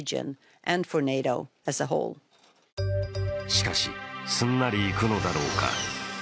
しかし、すんなりいくのだろうか。